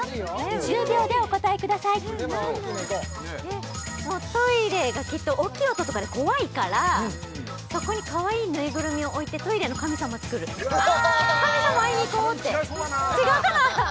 １０秒でお答えくださいトイレがきっと大きい音とかで怖いからそこにかわいいぬいぐるみを置いてトイレの神様つくる「神様会いに行こう」って違うかな？